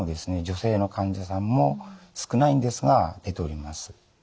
女性の患者さんも少ないんですが出ております。